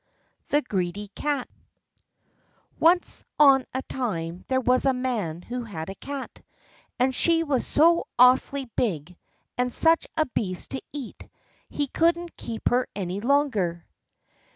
The Greedy Cat Once on a time there was a man who had a Cat, and she was so awfully big, and such a beast to eat, he couldn't keep her any longer.